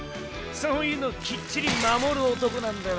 そういうのキッチリ守る男なんだわ。